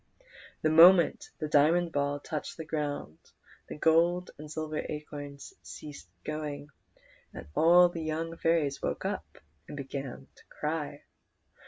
The moment the diamond ball touched the ground the gold and silver acorns ceased going, and all the young fairies woke and began to cry.